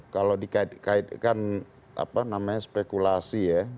kalau dikaitkan apa namanya spekulasi ya